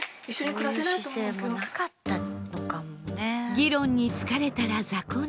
議論に疲れたら雑魚寝。